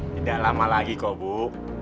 tidak lama lagi kok